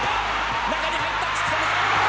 中に入った。